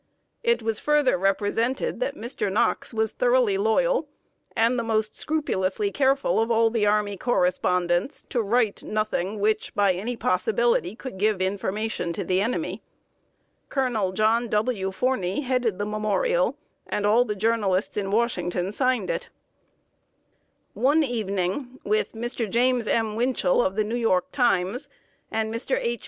It was further represented that Mr. Knox was thoroughly loyal, and the most scrupulously careful of all the army correspondents to write nothing which, by any possibility, could give information to the enemy. Colonel John W. Forney headed the memorial, and all the journalists in Washington signed it. [Sidenote: A VISIT TO PRESIDENT LINCOLN.] One evening, with Mr. James M. Winchell, of The New York Times, and Mr. H.